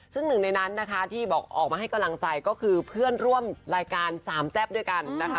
ซึ่งหนึ่งในนั้นนะคะที่บอกออกมาให้กำลังใจก็คือเพื่อนร่วมรายการสามแซ่บด้วยกันนะคะ